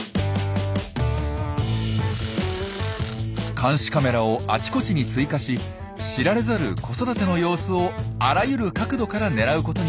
監視カメラをあちこちに追加し知られざる子育ての様子をあらゆる角度から狙うことにしました。